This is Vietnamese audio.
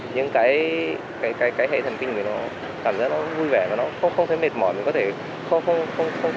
nhưng cái hệ thần kinh của mình nó cảm giác nó vui vẻ và nó không thấy mệt mỏi mình có thể không ăn